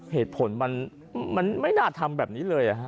เหตุผลมันไม่น่าทำแบบนี้เลย